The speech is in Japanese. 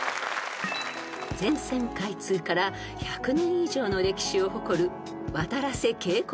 ［全線開通から１００年以上の歴史を誇るわたらせ渓谷鐵道］